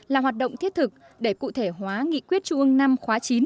là hoạt động thiết thực để cụ thể hóa nghị quyết trung ương năm khóa chín